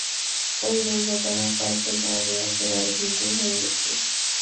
ঐ দুর্ঘটনার পর থেকে আমি একেবারে ভীতু হয়ে গেছি।